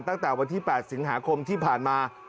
ตั้งแต่วันที่๘สิงหาคมที่ผ่านมา